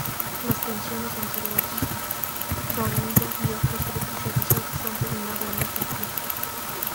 Las tensiones entre los rohinyá y otros grupos religiosos han terminado en un conflicto.